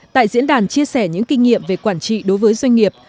tại diễn đàn chia sẻ những kinh nghiệm về quản trị đối với doanh nghiệp